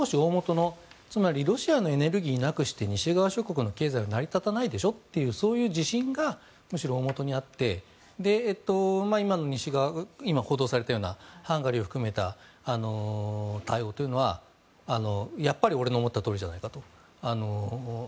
現象としてはそうでしょうしロシアのエネルギーなくして西側諸国の経済は成り立たないでしょというそういう自信がむしろ、おおもとになって今の西側が報道されたようなハンガリーを含めた対応というのはやっぱり俺の思ったとおりじゃないかと。